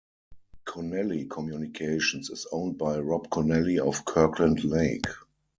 Connelly Communications is owned by Rob Connelly of Kirkland Lake.